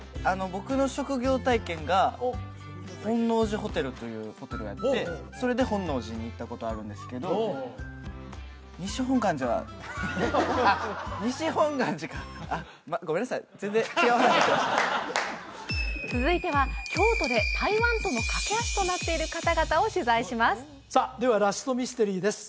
僕の職業体験が本能寺ホテルというホテルでやってそれで本能寺に行ったことあるんですけど西本願寺はあっ続いては京都で台湾との懸け橋となっている方々を取材しますさあではラストミステリーです